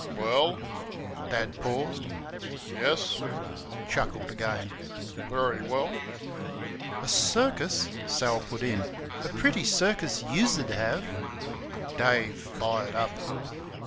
"Well" (Dad paused), "yes" (chuckled again) "very well." "A CIRCUS!" Sal put in "a PRETTY circus YOUS'D have!" Dave fired up.